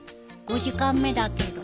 ５時間目だけど。